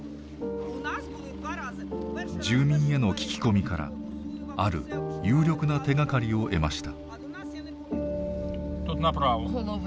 住民への聞き込みからある有力な手がかりを得ました。